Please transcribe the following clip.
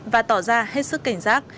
và tỏ ra hết sức cảnh giác